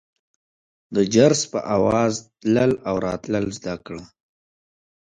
د جرس په اوزا تلل او راتلل زده کړه.